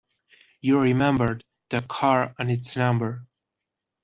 You remembered the car and its number.